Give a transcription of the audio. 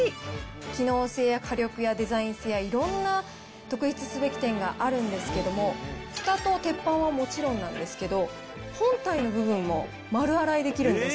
機能性や火力やデザイン性やいろんな特筆すべき点があるんですけれども、ふたと鉄板はもちろんなんですけど、本体の部分も丸洗いできるんです。